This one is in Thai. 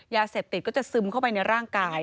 ยาเสพติดก็จะซึมเข้าไปในร่างกาย